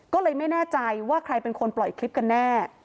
ก็เลยไม่แน่ใจว่าใครเป็นคนปล่อยคลิปกันแน่